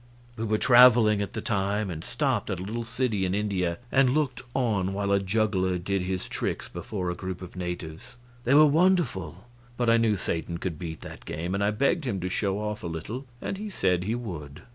We were traveling at the time and stopped at a little city in India and looked on while a juggler did his tricks before a group of natives. They were wonderful, but I knew Satan could beat that game, and I begged him to show off a little, and he said he would.